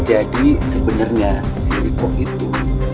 jadi sebenernya si riko itu